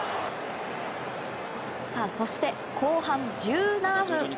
そして後半１７分。